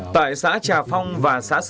tại xã trà phong và xã sơn